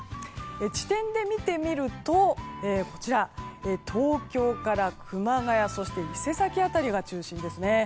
地点で見てみると東京から熊谷伊勢崎辺りが中心ですね。